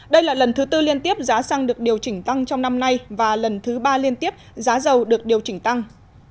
đây là lần thứ tư liên tiếp giá xăng được điều chỉnh tăng trong năm nay và lần thứ ba liên tiếp giá dầu được điều chỉnh tăng